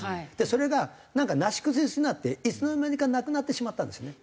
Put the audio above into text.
それがなんかなし崩しになっていつの間にかなくなってしまったんですよね。